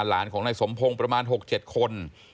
หลานของนายสมพงศ์ประมาณ๖๗คน